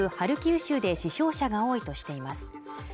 ハルキウ州で死傷者が多いとしています